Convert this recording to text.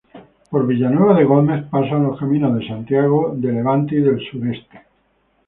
Por Villanueva de Gómez pasa los caminos de Santiago de Levante y del Sureste.